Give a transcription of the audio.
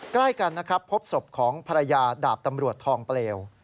ใกล้กันนะครับพบศพของภรรยาดาบตำรวจทองเปลว